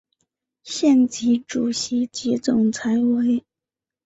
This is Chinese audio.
现任主席及总裁为。